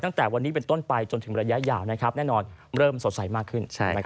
ตั้งแต่วันนี้เป็นต้นไปจนถึงระยะยาวแน่นอนเริ่มสดใสมากขึ้น